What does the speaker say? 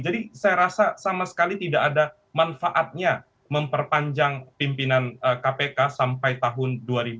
jadi saya rasa sama sekali tidak ada manfaatnya memperpanjang pimpinan kpk sampai tahun dua ribu dua puluh empat